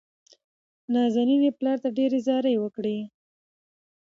نازنين يې پلار ته ډېرې زارۍ وکړې.